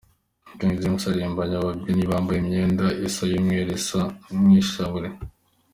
King James aririmbanye ababyinnyi bambaye imyenda isa y’umweru isa nk’inshabure….